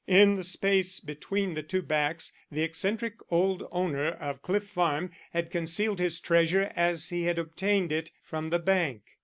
In the space between the two backs the eccentric old owner of Cliff Farm had concealed his treasure as he had obtained it from the bank.